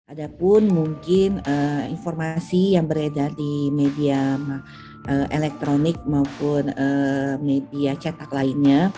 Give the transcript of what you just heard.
ada pun mungkin informasi yang beredar di media elektronik maupun media cetak lainnya